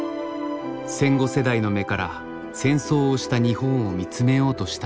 戦後世代の目から戦争をした日本を見つめようとしたのです。